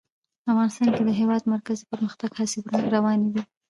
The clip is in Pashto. افغانستان کې د د هېواد مرکز د پرمختګ هڅې روانې دي.